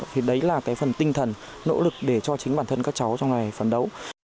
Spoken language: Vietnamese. thì đấy là cái phần tinh thần nỗ lực để cho chính bản thân các cháu trong ngày phấn đấu